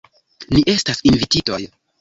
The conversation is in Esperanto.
Ni estas invititoj.